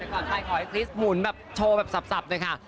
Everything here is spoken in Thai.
ขอให้คริสหมุนแบบโทรแบบสับเลยค่ะ